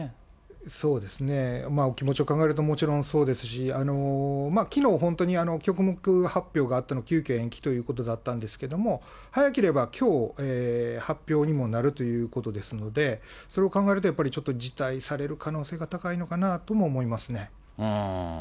そうですね、お気持ちを考えるともちろんそうですし、きのう、本当に曲目発表があったのが、急きょ延期ということだったんですけれども、早ければきょう、発表にもなるということですので、それを考えると、やっぱりちょっと辞退される可能性が高いのかなとも思いますね。